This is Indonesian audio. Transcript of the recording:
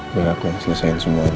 biar aku yang selesaikan semua ini